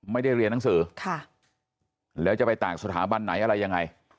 ไม่ได้เรียนหนังสือค่ะแล้วจะไปต่างสถาบันไหนอะไรยังไง